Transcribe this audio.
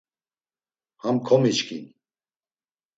Ham komiçkin.